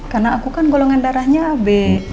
karena aku kan golongan darahnya ab